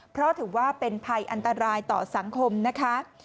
เพราะถือว่าเป็นภัยอันตรายต่อสังคมนะคะ